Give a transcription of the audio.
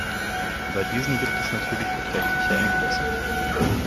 Bei diesen gibt es natürlich beträchtliche Engpässe.